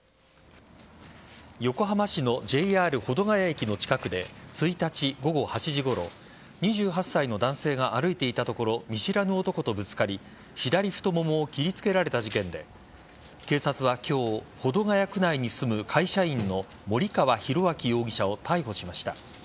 横浜市のＪＲ保土ケ谷駅の近くで１日午後８時頃２８歳の男性が歩いていたところ見知らぬ男とぶつかり左太ももを切りつけられた事件で警察は今日保土ケ谷区内に住む会社員の森川浩昭容疑者を逮捕しました。